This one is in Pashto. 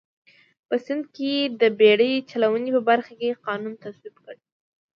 په سیند کې د بېړۍ چلونې په برخه کې قانون تصویب کړ.